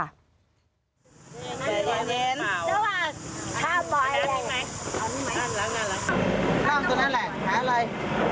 นั่งตรงนั้นแหละหาอะไรพี่หมุยหาอะไร